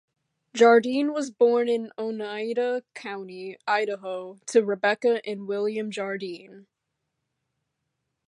Jardine was born in Oneida County, Idaho, to Rebecca and William Jardine.